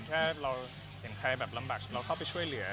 แค่เราเห็นใครแบบลำบากเราเข้าไปช่วยเหลือ